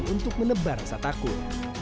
untuk menebar rasa takut